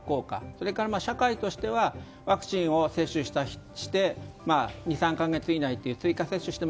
それから社会としてはワクチンを接種して２３か月以内に追加接種して